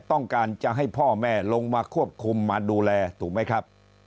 ต้องการจะให้พ่อแม่ลงมาควบคุมมาดูแลถูกไหมครับ